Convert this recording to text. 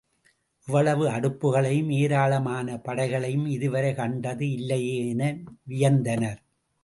இவ்வளவு, அடுப்புகளையும், ஏராளமான படைகளையும் இதுவரை கண்டது இல்லையே என வியந்தனர்.